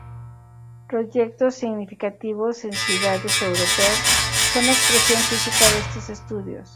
Proyectos significativos en ciudades europeas son la expresión física de estos estudios.